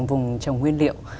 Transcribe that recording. vùng trồng nguyên liệu